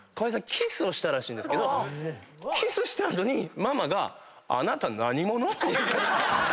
キスをしたらしいんですけどキスした後にママが。